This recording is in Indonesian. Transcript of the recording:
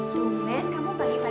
tuh men kamu pagi pagi udah datang